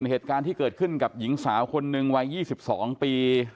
เหตุการณ์ที่เกิดขึ้นกับหญิงสาวคนหนึ่งวัย๒๒ปี